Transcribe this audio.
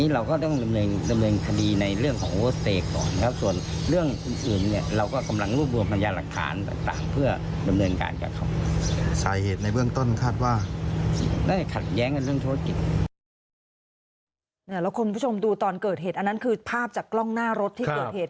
แล้วคุณผู้ชมดูตอนเกิดเหตุอันนั้นคือภาพจากกล้องหน้ารถที่เกิดเหตุ